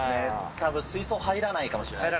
たぶん水槽入らないかもしれないですね。